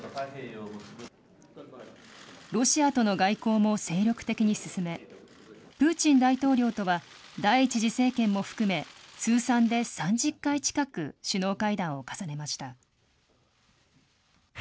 ロシアとの外交も精力的に進め、プーチン大統領とは第１次政権も含め、通算で３０回近く首脳会談を重ねました。